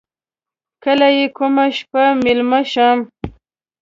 کله یې کومه شپه میلمه شم.